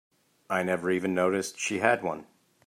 I never even noticed she had one.